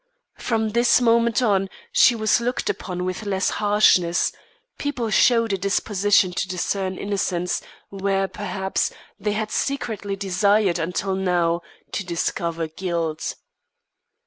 From this moment on, he was looked upon with less harshness; people showed a disposition to discern innocence, where, perhaps, they had secretly desired, until now, to discover guilt.